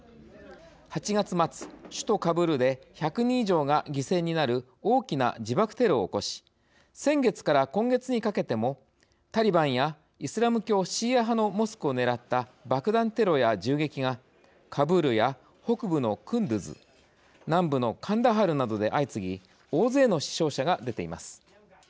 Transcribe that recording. ８月末、首都カブールで１００人以上が犠牲になる大きな自爆テロを起こし先月から今月にかけてもタリバンやイスラム教シーア派のモスクを狙った爆弾テロや銃撃がカブールや北部のクンドゥズ南部のカンダハルなどで相次ぎ大勢の死傷者が出ています。